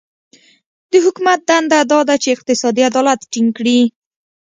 د حکومت دنده دا ده چې اقتصادي عدالت ټینګ کړي.